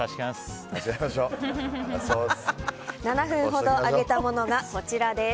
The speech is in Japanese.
７分ほど揚げたものがこちらです。